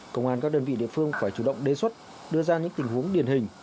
công an các đơn vị địa phương phải chủ động đề xuất đưa ra những tình huống điển hình